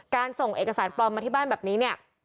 การส่งเอกสารปลอมมาที่บ้านแบบนี้